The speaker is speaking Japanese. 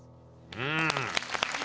うん。